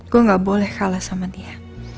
gue gak boleh kalah sama dia